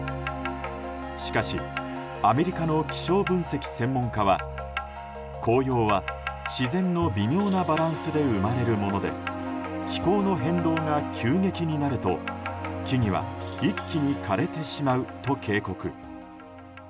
しかしアメリカの気象分析専門家は紅葉は、自然の微妙なバランスで生まれるもので気候の変動が急激になると木々は一気に枯れてしまうと警告。